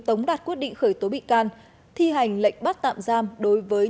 tống đạt quyết định khởi tố bị can thi hành lệnh bắt tạm giam đối với